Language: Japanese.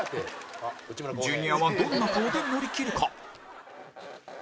ジュニアはどんな顔で乗り切るか？